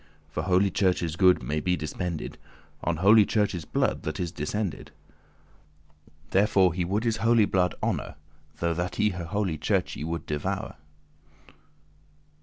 For holy Church's good may be dispended* *spent On holy Church's blood that is descended. Therefore he would his holy blood honour Though that he holy Churche should devour.